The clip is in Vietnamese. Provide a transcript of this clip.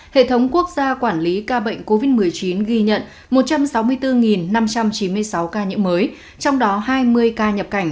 hệ thống quốc gia quản lý ca bệnh covid một mươi chín ghi nhận một trăm sáu mươi bốn năm trăm chín mươi sáu ca nhiễm mới trong đó hai mươi ca nhập cảnh